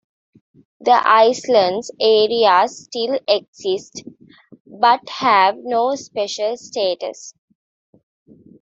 The islands areas still exist, but have no special status.